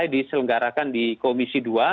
diselenggarakan di komisi dua